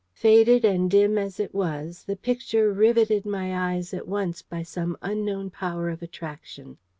Faded and dim as it was, the picture riveted my eyes at once by some unknown power of attraction.